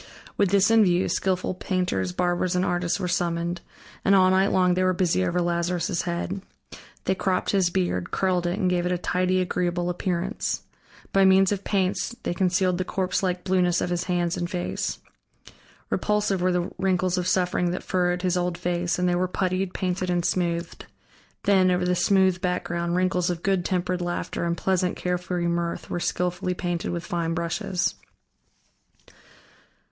With this in view, skillful painters, barbers, and artists were summoned, and all night long they were busy over Lazarus' head. They cropped his beard, curled it, and gave it a tidy, agreeable appearance. By means of paints they concealed the corpse like blueness of his hands and face. Repulsive were the wrinkles of suffering that furrowed his old face, and they were puttied, painted, and smoothed; then, over the smooth background, wrinkles of good tempered laughter and pleasant, carefree mirth were skillfully painted with fine brushes.